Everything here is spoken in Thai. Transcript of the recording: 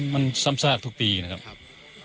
มันซ้ำซากทุกปีนะครับ